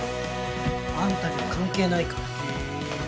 あんたには関係ないから。